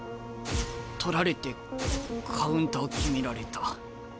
取られてカウンター決められた。